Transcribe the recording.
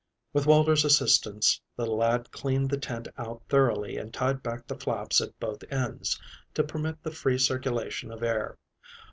With Walter's assistance the lad cleaned the tent out thoroughly and tied back the flaps at both ends to permit the free circulation of air.